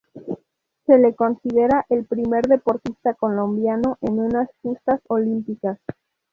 Se le considera el primer deportista colombiano en unas justas olímpicas.